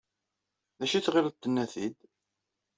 D acu ay tɣiled tenna-t-id?